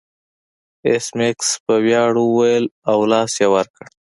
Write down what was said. ایس میکس په ویاړ وویل او لاس یې ور کړ